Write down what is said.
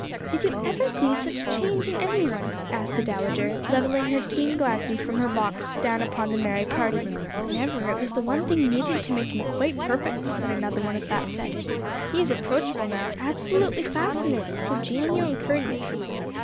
"Did you ever see such a change in any one?" asked a dowager, levelling her keen glances from her box down upon the merry party. "Never; it was the one thing needed to make him quite perfect," said another one of that set. "He is approachable now absolutely fascinating, so genial and courteous."